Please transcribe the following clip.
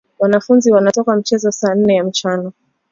Wanafunzi wana toka mchezo saha ine ya mchana